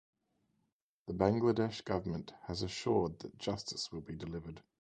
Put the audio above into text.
The Bangladesh government has assured that justice will be delivered.